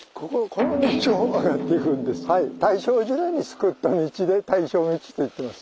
大正時代に作った道で大正道といってます。